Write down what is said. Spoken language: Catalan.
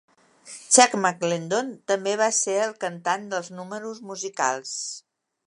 Chuck McLendon també va ser el cantant dels números musicals.